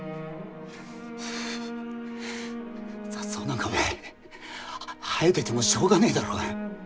雑草なんかお前生えててもしょうがねえだろうが。